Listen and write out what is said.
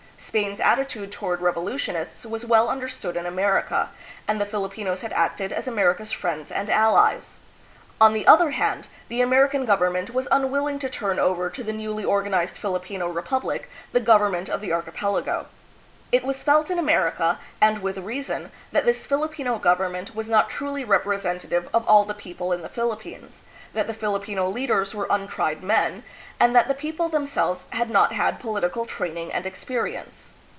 Spain's attitude toward revolutionists was well understood in America, and the Filipinos had acted as America's friends and allies. On the other hand, the American government was unwilling to turn over to the newly organized Filipino republic the government of the archipelago. It was felt in America, and with reason, that this Filipino govern ment was not truly representative of all the people in the Philippines, that the Filipino leaders were untried men, and that the people themselves had not had political training and experience.